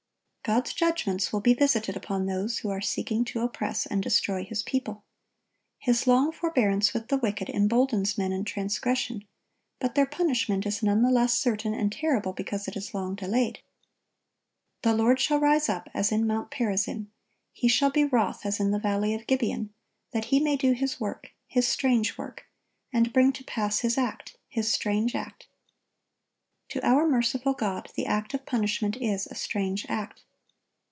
God's judgments will be visited upon those who are seeking to oppress and destroy His people. His long forbearance with the wicked emboldens men in transgression, but their punishment is none the less certain and terrible because it is long delayed. "The Lord shall rise up as in Mount Perazim, He shall be wroth as in the valley of Gibeon, that He may do His work, His strange work; and bring to pass His act, His strange act."(1071) To our merciful God the act of punishment is a strange act.